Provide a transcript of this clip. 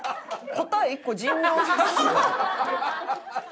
答え１個人狼ですよね？